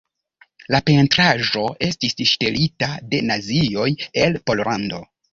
La pentraĵo estis ŝtelita de Nazioj el Pollando.